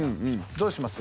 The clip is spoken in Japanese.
どうします？